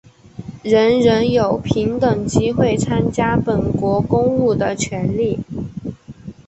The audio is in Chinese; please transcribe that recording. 人人有平等机会参加本国公务的权利。